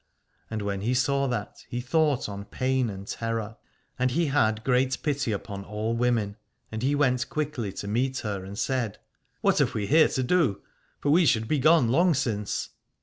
And when he saw that he thought on pain and terror, and he had o 209 Aladore great pity upon all women, and he went quickly to meet her and said : What have we here to do, for we should be gone long since.